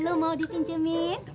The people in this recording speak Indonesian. lu mau dipinjemin